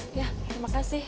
iya terima kasih